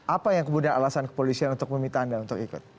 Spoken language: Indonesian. apa yang kemudian alasan kepolisian untuk meminta anda lukis